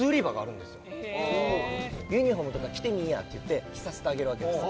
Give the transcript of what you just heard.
「ユニホームとか着てみいや」って言って着させてあげるわけですよ。